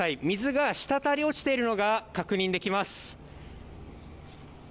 水が滴り落ちているのが確認できます。